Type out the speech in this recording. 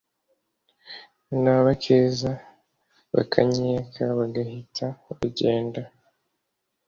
nabakeza bakanyiyaka bagahita bagenda,